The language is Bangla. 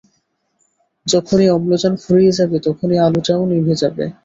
যখনই অম্লজান ফুরিয়ে যাবে, তখনই আলোটাও নিবে যাবে।